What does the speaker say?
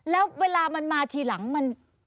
แล้วเวลามันมาทีหลังมัน